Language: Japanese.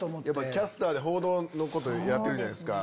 キャスターで報道やってるじゃないですか。